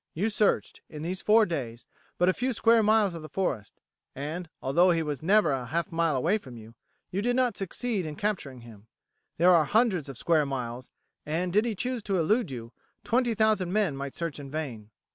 You searched, in these four days, but a few square miles of the forest, and, although he was never half a mile away from you, you did not succeed in capturing him. There are hundreds of square miles, and, did he choose to elude you, twenty thousand men might search in vain.